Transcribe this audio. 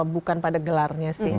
bukan pada gelarnya sih